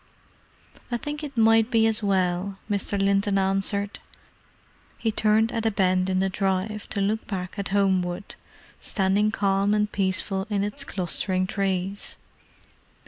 "I think it might be as well," Mr. Linton answered. He turned at a bend in the drive, to look back at Homewood, standing calm and peaceful in its clustering trees.